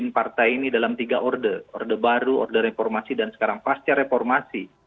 ibu ketua umum memimpin partai ini dalam tiga order order baru order reformasi dan sekarang pasca reformasi